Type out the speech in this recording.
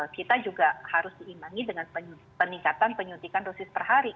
kita juga harus diimbangi dengan peningkatan penyuntikan dosis per hari